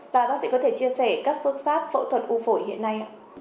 và bác sĩ có thể chia sẻ các phương pháp phẫu thuật u phổi hiện nay ạ